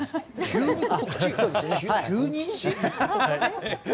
急に？